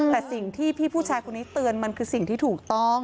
แต่สิ่งที่พี่ผู้ชายคนนี้เตือนมันคือสิ่งที่ถูกต้อง